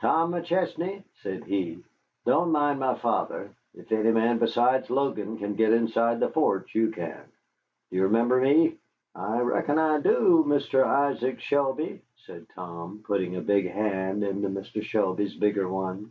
"Tom McChesney," said he, "don't mind my father. If any man besides Logan can get inside the forts, you can. Do you remember me?" "I reckon I do, Mr. Isaac Shelby," said Tom, putting a big hand into Mr. Shelby's bigger one.